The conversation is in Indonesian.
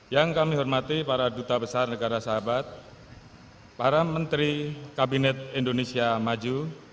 yang kami hormati para duta besar negara sahabat para menteri kabinet indonesia maju